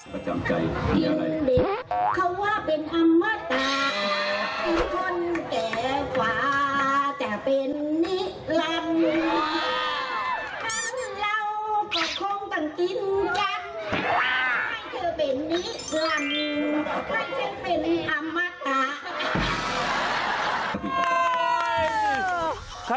ให้เธอเป็นนิรันให้เธอเป็นอมตะ